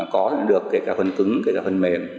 có được kể cả phần cứng kể cả phần mềm